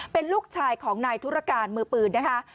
เป็นลูกชายของนายธุรการมือปืนนะคะ